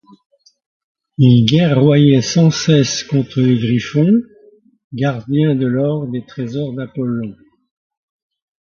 Ils guerroyaient sans cesse contre les griffons, gardiens de l’or des trésors d'Apollon.